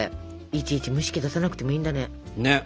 いちいち蒸し器出さなくてもいいんだね。ね！